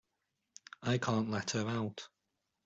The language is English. I can't let her out.